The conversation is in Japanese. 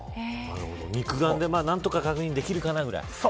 肉眼で何とか確認できるかな、ぐらい。